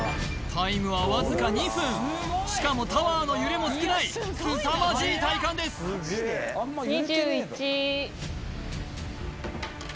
タイムはわずか２分しかもタワーの揺れも少ないすさまじい体幹です２１！